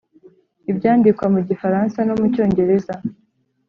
i byandikwa mu gifaransa no mu cyongereza